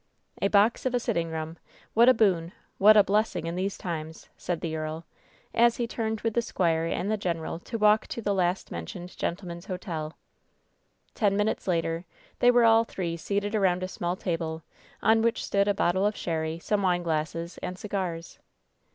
"A box of a sitting room ! What a boon ! What a blessing in these times !" said the earl, as he turned with the squire and the general to walk to the last mentioned gentleman's hotel. Ten minutes later they were all three seated around a small table, on which stood a bottle of sherry, some wineglasses, and cigars.